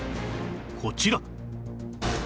こちら